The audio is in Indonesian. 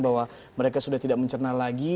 bahwa mereka sudah tidak mencerna lagi